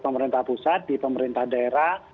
pemerintah pusat di pemerintah daerah